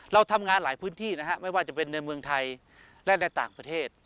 เราทำงานหลายพื้นที่นะฮะไม่ว่าจะเป็นในเมืองไทยและในต่างประเทศ